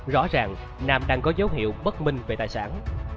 rõ ràng nam đang có dấu hiệu bất minh về tài sản